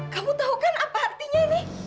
kamu tahu kan apa artinya ini